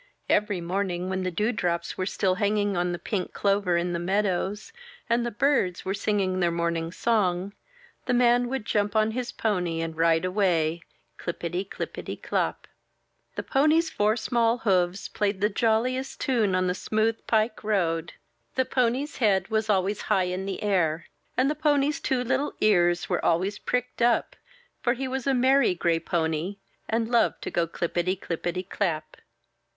Every morning when the dewdrops were still hanging on the pink clover in the meadows, and the birds were singing their morning song, the man would jump on his pony and ride away, clippety, clippety, clap! The pony*s four small hoofs played the jolliest tune on the smooth pike road, the pony's head was always high in the air, and the pony's two little ears were always pricked up; for he was a merry, gray pony, and loved to go clippety, clippety, clap!